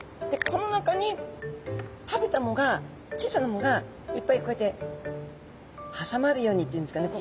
この中に食べた藻が小さな藻がいっぱいこうやってはさまるようにっていうんですかね